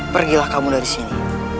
pergilah kamu dari sini